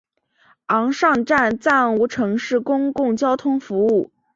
昂尚站暂无城市公共交通服务。